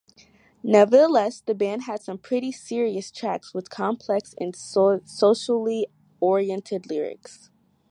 Nevertheless, the band had some pretty serious tracks with complex and socially oriented lyrics.